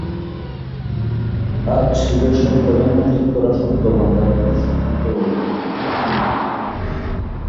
আর ছিল সর্বদা মজুত করা শব্দ-ভাণ্ডার ও তার সঠিক প্রয়োগ।